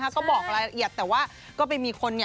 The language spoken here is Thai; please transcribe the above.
ก็บอกรายละเอียดแต่ว่าก็ไปมีคน